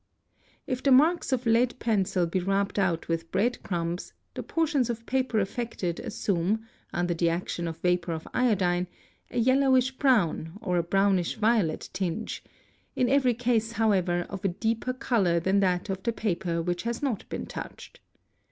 If the marks of lead pencil be rubbed out with bread crumbs, the portions of paper affected assume, under the action of vapour of iodine, a yellowish brown or a brownish violet tinge, in every case however of a deeper colour than that of the paper which has not been touched.